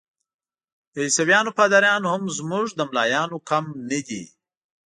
د عیسویانو پادریان هم زموږ له ملایانو کم نه دي.